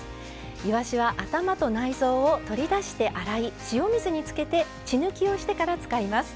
いわしは頭と内臓を取り出して洗い塩水につけて血抜きをしてから使います。